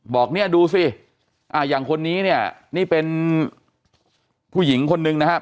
บอกเนี่ยดูสิอย่างคนนี้เนี่ยนี่เป็นผู้หญิงคนนึงนะครับ